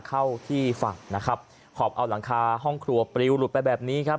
เข้าที่ฝั่งนะครับหอบเอาหลังคาห้องครัวปริวหลุดไปแบบนี้ครับ